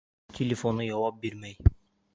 Телефоны яуап бирмәй.